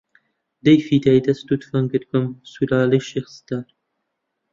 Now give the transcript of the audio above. دەک فیدای دەست و تفەنگت بم سولالەی شێخ ستار